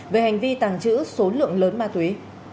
về hành vi tàng trữ số lượng lớn ma túy